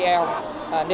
nếu như chúng ta để ý